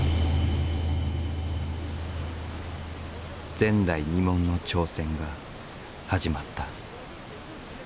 前代未聞の挑戦が始まった。